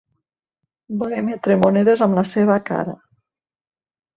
Va emetre monedes amb la seva cara.